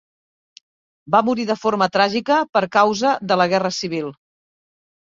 Va morir de forma tràgica per causa de la Guerra Civil.